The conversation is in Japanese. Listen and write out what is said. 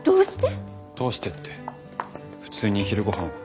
どうしてって普通に昼ごはんを。